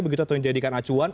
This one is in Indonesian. begitu atau menjadikan acuan